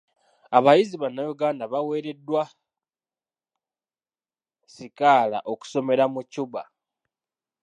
Abayizi bannayuganda baweereddwa sikaala okusomera mu Cuba.